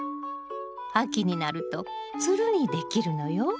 秋になるとつるにできるのよ。